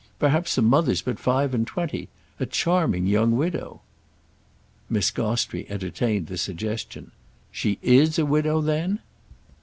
Perhaps the mother's but five and twenty—a charming young widow." Miss Gostrey entertained the suggestion. "She is a widow then?"